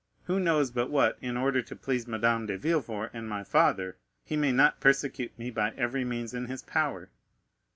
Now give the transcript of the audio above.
Who knows but that, in order to please Madame de Villefort and my father, he may not persecute me by every means in his power?